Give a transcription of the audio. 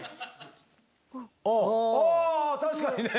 ああ確かにね。